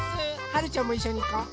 はるちゃんもいっしょにいこう。